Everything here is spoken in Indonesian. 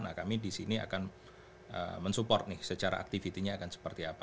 nah kami di sini akan mensupport nih secara activity nya akan seperti apa